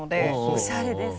おしゃれです。